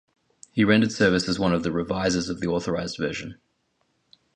He rendered service as one of the revisers of the authorized version.